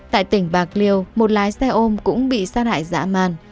tại tỉnh bạc liêu một lái xe ôm cũng bị sát hại dã man